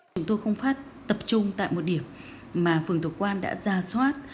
chúng tôi không phát tập trung tại một điểm mà phường thuộc quan đã ra soát